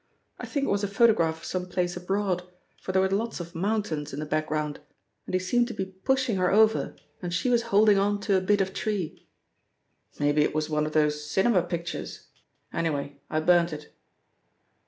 I think it was a photograph of some place abroad, for there were lots of mountains in the background, and he seemed to be pushing her over and she was holding on to a bit of tree. Maybe it was one of those cinema pictures. Anyway, I burnt it."